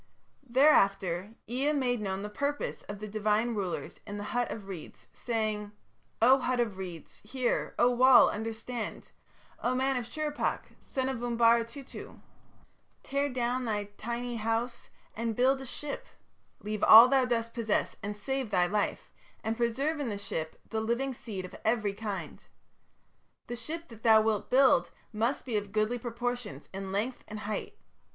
"Thereafter Ea made known the purpose of the divine rulers in the hut of reeds, saying: 'O hut of reeds, hear; O wall, understand ... O man of Shurippak, son of Umbara Tutu, tear down thy house and build a ship; leave all thou dost possess and save thy life, and preserve in the ship the living seed of every kind. The ship that thou wilt build must be of goodly proportions in length and height.